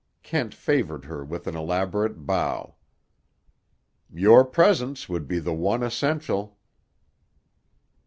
Kent favored her with an elaborate bow. "Your presence would be the one essential."